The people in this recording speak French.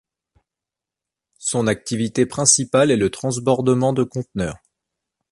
Son activité principale est le transbordement de conteneurs.